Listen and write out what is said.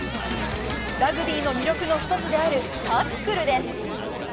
ラグビーの魅力の一つであるタックルです。